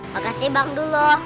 makasih bang dulo